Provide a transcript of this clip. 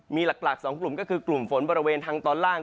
มีหลัก๒กลุ่มก็คือกลุ่มฝนบริเวณทางตอนล่าง